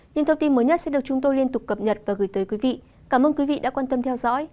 những thông tin mới nhất sẽ được chúng tôi liên tục cập nhật và gửi tới quý vị cảm ơn quý vị đã quan tâm theo dõi